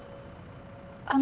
あの